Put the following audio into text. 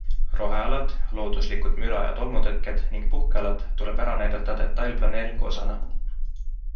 Rohealad, looduslikud müra- ja tolmutõkked ning puhkealad tuleb ära näidata detailplaneeringu osana.